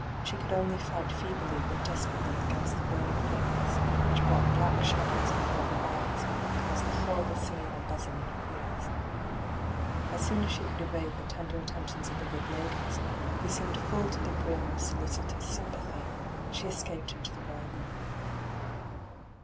She could only fight feebly but des perately agunst the growing faintness which brought black shadows before her eyes and caused the horrible singing and buzzing in her ears. As soon as she oould evade the tender attentions of tiie good ladies, who seemed full to the brim of soUcitons sympathy, she escaped into the garden.